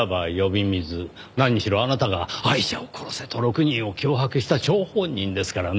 何しろあなたがアイシャを殺せと６人を脅迫した張本人ですからね。